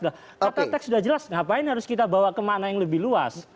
ketika teks sudah jelas ngapain harus kita bawa kemana yang lebih luas